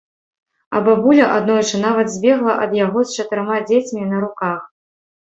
А бабуля аднойчы нават збегла ад яго з чатырма дзецьмі на руках.